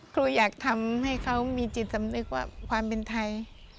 ครูอยากทำให้เขามีจิตสำนึกว่าความเป็นไทย